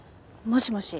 もしもし。